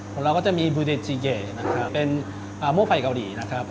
ของเราก็จะมีบูเดจิเกเป็นหม้อไฟเกาหลีนะครับ